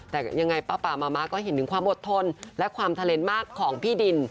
แต่ยังไงป้าป่ามามะก็เห็นถึงความอดทนและความทะเลนมากของพี่ดิน